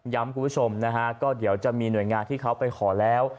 คุณผู้ชมนะฮะก็เดี๋ยวจะมีหน่วยงานที่เขาไปขอแล้ว